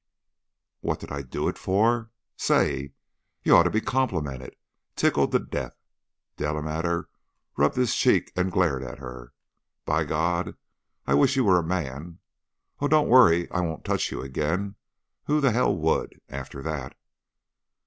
"What did I do it for? Say! You ought to be complimented tickled to death." Delamater rubbed his cheek and glared at her. "By God! I wish you were a man. Oh, don't worry, I won't touch you again! Who the hell would, after that?"